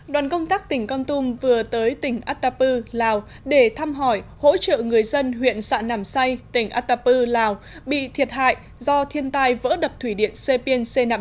đoàn công tác tỉnh con tum vừa tới tỉnh atapu lào để thăm hỏi hỗ trợ người dân huyện sạ nam say